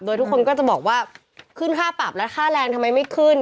โดยทุกคนก็จะบอกว่าขึ้นค่าปรับแล้วค่าแรงทำไมไม่ขึ้น